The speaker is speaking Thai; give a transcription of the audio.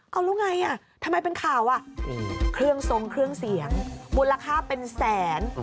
เอาแล้วไงอ่ะทำไมเป็นข่าวอ่ะเครื่องทรงเครื่องเสียงมูลค่าเป็นแสน